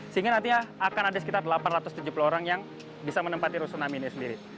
sehingga nantinya akan ada sekitar delapan ratus tujuh puluh orang yang bisa menempati rusunami ini sendiri